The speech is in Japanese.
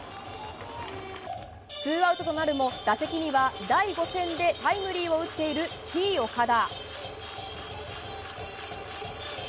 ツーアウトとなるも打席には第５戦でタイムリーを打っているＴ‐岡田。